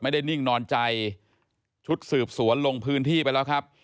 นิ่งนอนใจชุดสืบสวนลงพื้นที่ไปแล้วครับ